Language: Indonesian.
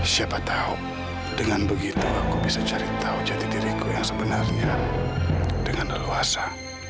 siapa tahu dengan begitu aku bisa cari tahu jati diriku yang sebenarnya dengan leluasa